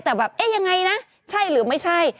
แต่แบบเอ๊ะยังไงนะใช่หรือไม่ใช่